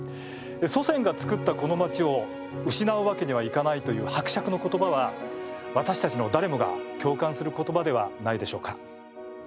祖先が作った、この街を失うわけにはいかないという伯爵のことばは私たちの誰もが共感することばではないでしょうか。